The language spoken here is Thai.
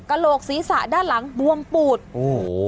โหลกศีรษะด้านหลังบวมปูดโอ้โห